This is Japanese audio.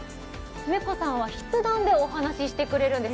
猫さんは筆談でお話ししてくれるんです。